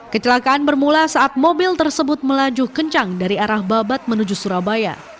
kecelakaan bermula saat mobil tersebut melaju kencang dari arah babat menuju surabaya